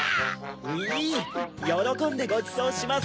ウィよろこんでごちそうします。